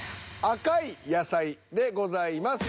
「赤い野菜」でございます。